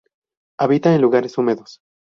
Habita en lugares húmedos.